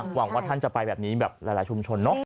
หวังว่าท่านจะไปแบบนี้แบบหลายชุมชนเนอะ